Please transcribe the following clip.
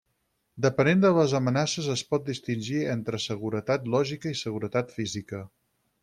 Depenent de les amenaces es pot distingir entre seguretat lògica i seguretat física.